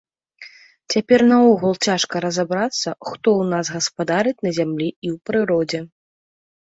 Цяпер наогул цяжка разабрацца, хто ў нас гаспадарыць на зямлі і ў прыродзе.